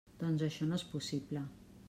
Doncs això no és possible.